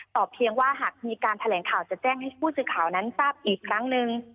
เพียงว่าหากมีการแถลงข่าวจะแจ้งให้ผู้สื่อข่าวนั้นทราบอีกครั้งหนึ่ง